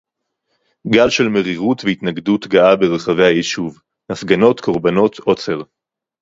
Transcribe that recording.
גל של מרירות והתנגדות גאה ברחבי הישוב. הפגנות, קרבנות, עוצר.